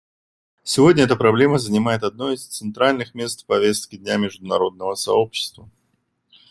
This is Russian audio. Сегодня эта проблема занимает одно из центральных мест в повестке дня международного сообщества.